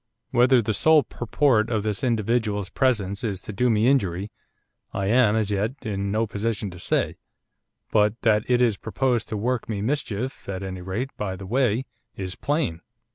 Whether the sole purport of this individual's presence is to do me injury, I am, as yet, in no position to say, but that it is proposed to work me mischief, at any rate, by the way, is plain.